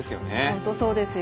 本当そうですよね。